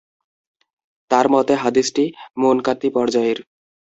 আমার মতে, হাদীসটি মুনকাতি পর্যায়ের।